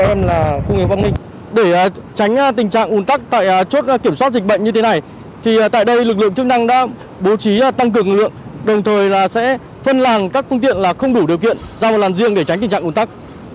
tránh tình trạng ủn tắc tại chốt kiểm soát dịch bệnh như thế này thì tại đây lực lượng chức năng đã bố trí tăng cường lực lượng đồng thời là sẽ phân làng các phương tiện là không đủ điều kiện ra một làn riêng để tránh tình trạng ồn tắc